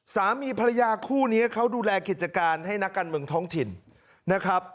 สามีภรรยาคู่นี้เขาดูแลกิจการให้นักการเมืองท้องถิ่นนะครับ